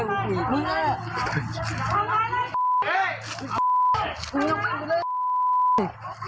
มันจะเลิกไหมเดี๋ยวนี้